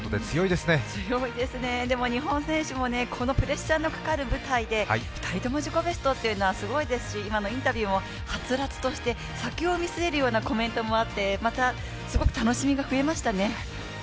強いですね、日本選手もこのプレッシャーのかかる舞台で２人とも自己ベストというのはすごいですし、今のインタビューもはつらつとして、先を見据えるようなコメントもあってまた、すごく楽しみが増えましたね。